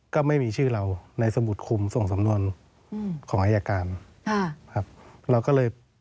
ก็ไม่มีชื่อเราในสมุดคุมส่งสำนวนของอายการ